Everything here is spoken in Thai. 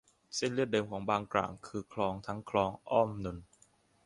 เส้นเลือดเดิมของบางกร่างคือคลอง ทั้งคลองอ้อมนนท์